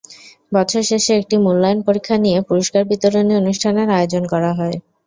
বছর শেষে একটি মূল্যায়ন পরীক্ষা নিয়ে পুরস্কার বিতরণী অনুষ্ঠানের আয়োজন করা হয়।